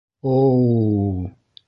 О-о-о-ү!